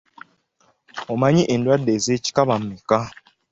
Omanyi endwadde ez'ekikaba mmeka?